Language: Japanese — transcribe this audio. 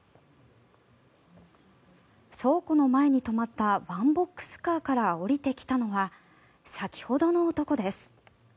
倉庫の前に止まったワンボックスカーから降りてきたのは先ほどの男です。